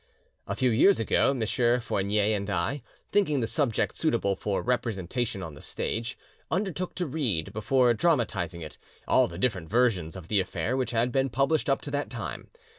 A few years ago, M. Fournier and I, thinking the subject suitable for representation on the stage, undertook to read, before dramatising it, all the different versions of the affair which had been published up to that time.